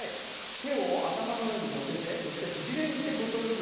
てをあたまのうえにのせてそしてせびれにしてこうやっておよぐよ。